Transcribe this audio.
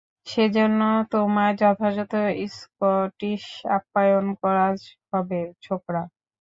সেজন্য তোমায় যথাযথ স্কটিশ আপ্যায়ন করা হবে, ছোকরা!